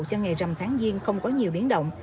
cho ngày rằm tháng diên không có nhiều biến động